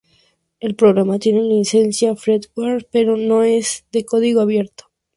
El programa tiene licencia "freeware", pero no es de código abierto.